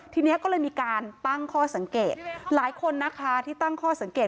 ทีนี้ก็เลยมีการตั้งข้อสังเกตหลายคนนะคะที่ตั้งข้อสังเกต